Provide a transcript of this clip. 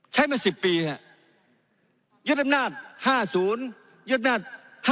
ใช้มา๑๐ปียึดอำนาจ๕๐ยึดอำนาจ๕๗